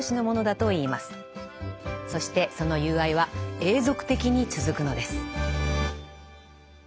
そしてその友愛は永続的に続くのです。